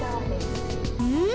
うん？